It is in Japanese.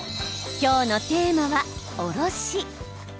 今日のテーマは、おろし。